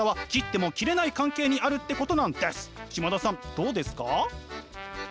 どうですか？